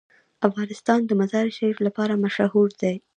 افغانستان د مزارشریف لپاره مشهور دی.